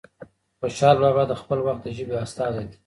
خوشال بابا د خپل وخت د ژبې استازی دی.